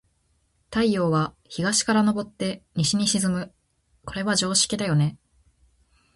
太陽は、東から昇って西に沈む。これは常識だよね。